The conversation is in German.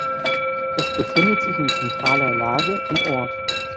Es befindet sich in zentraler Lage im Ort.